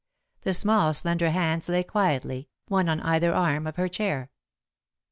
The small slender hands lay quietly, one on either arm of her chair.